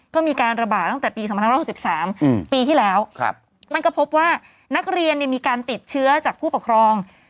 ก็มีการระบาดตั้งแต่ปี๒๕๖๓ปีที่แล้วมันก็พบว่านักเรียนมีการติดเชื้อจากผู้ปกครอง